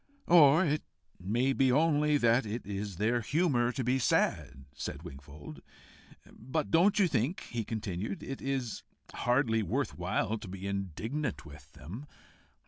"Or it may be only that it is their humour to be sad," said Wingfold. "But don't you think," he continued, "it is hardly worth while to be indignant with them?